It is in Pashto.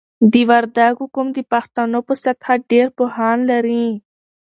د وردګو قوم د پښتنو په سطحه ډېر پوهان لري.